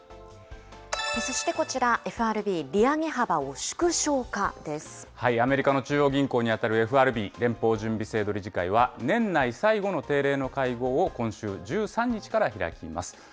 そしてこちら、ＦＲＢ、アメリカの中央銀行に当たるＦＲＢ・連邦準備制度理事会は、年内最後の定例の会合を今週１３日から開きます。